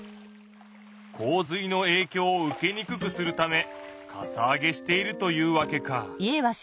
洪水のえいきょうを受けにくくするためかさ上げしているというわけか。